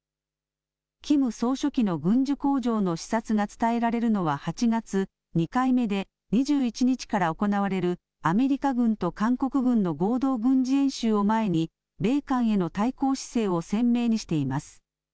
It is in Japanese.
キム総書記の軍需工場の視察が伝えられるのは８月、２回目で２１日から行われるアメリカ軍と韓国軍の合同軍事演習を前に米韓への対抗姿勢を鮮明にしています。